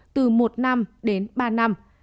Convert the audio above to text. từ một năm đến ba năm